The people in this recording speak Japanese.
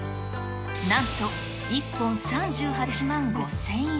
なんと１本３８万５０００円。